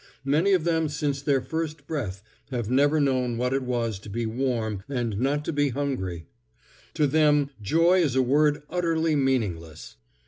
Many of them since their first breath, have never known what it was to be warm and not to be hungry. To them joy is a word utterly meaningless.